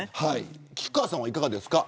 菊川さんはいかがですか。